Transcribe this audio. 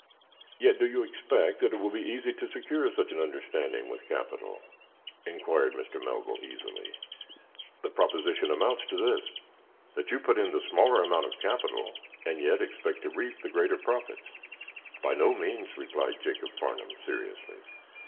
"Yet do you expect that it will be easy to secure such an understanding with capital?" inquired Mr. Melville, easily. "The proposition amounts to this: That you put in the smaller amount of capital, and yet expect to reap the greater profits." "By no means," replied Jacob Farnum, seriously.